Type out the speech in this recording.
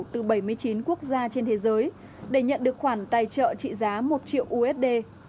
từ bảy mươi chín quốc gia trên thế giới để nhận được khoản tài trợ trị giá một triệu usd